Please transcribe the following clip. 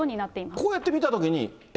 こうやって見たときに、え？